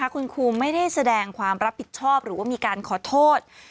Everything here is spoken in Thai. คุณครูไม่ได้แสดงความรับผิดชอบหรือว่ามีการขอโทษ